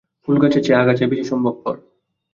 ফুলগাছের চেয়ে আগাছাই বেশি সম্ভবপর।